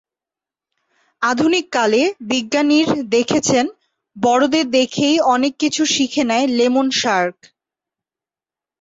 আধুনিক কালে বিজ্ঞানীর দেখেছেন বড়দের দেখেই অনেক কিছু শিখে নেয় লেমন শার্ক।